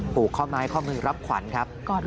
ผูกข้อไม้ข้อมือรับขวัญครับ